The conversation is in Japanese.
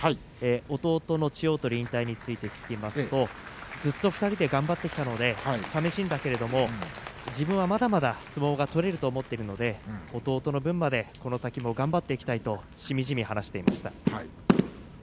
弟の千代鳳の引退について聞きますとずっと２人で頑張ってきたのでさみしいんだけれど自分はまだまだ相撲が取れると思っているので弟の分までこの先も頑張っていきたいとしみじみ話していました。